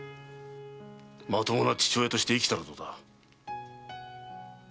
まともな父親として生きたらどうだ。